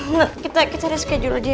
mas aku mau pulang